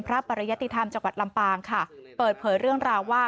ปริยติธรรมจังหวัดลำปางค่ะเปิดเผยเรื่องราวว่า